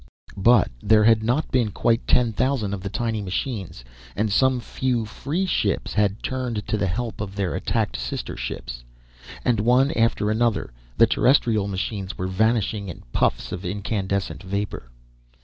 But there had not been quite ten thousand of the tiny machines, and some few free ships had turned to the help of their attacked sister ships. And one after another the terrestrial machines were vanishing in puffs of incandescent vapor.